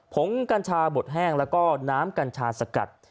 งกัญชาบดแห้งแล้วก็น้ำกัญชาสกัด